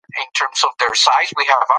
که موږ په ګډه کار وکړو نو ستونزې حلیږي.